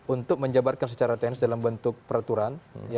untuk menjabarkan secara tenis dalam bentuk peraturan